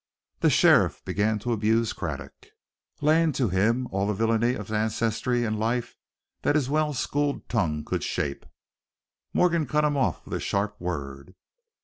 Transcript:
The sheriff began to abuse Craddock, laying to him all the villainy of ancestry and life that his well schooled tongue could shape. Morgan cut him off with a sharp word.